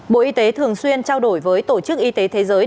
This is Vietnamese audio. bộ y tế thường xuyên trao đổi với tổ chức y tế thế giới